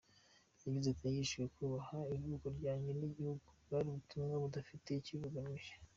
Yagize ati "Nigishijwe kubaha ivuko ryanjye n’igihugu, bwari ubutumwa budafite ikibi bugamije.